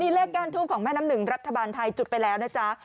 เลขก้านทูบของแม่น้ำหนึ่งรัฐบาลไทยจุดไปแล้วนะจ๊ะ